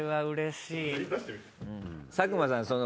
佐久間さんその。